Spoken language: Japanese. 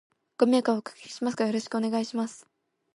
ご迷惑をお掛けしますが、よろしくお願いいたします。